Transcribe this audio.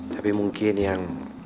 tapi mungkin yang